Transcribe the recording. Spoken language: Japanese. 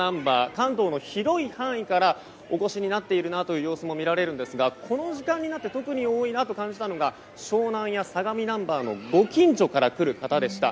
関東の広い範囲からお越しになっているなという様子も見られるんですがこの時間になって特に多いなと感じたのが湘南や相模ナンバーのご近所から来る方でした。